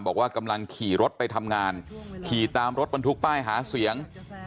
บอกว่ากำลังขี่รถไปทำงานขี่ตามรถบรรทุกป้ายหาเสียง